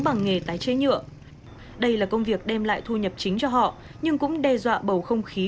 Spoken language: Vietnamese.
bằng nghề tái chế nhựa đây là công việc đem lại thu nhập chính cho họ nhưng cũng đe dọa bầu không khí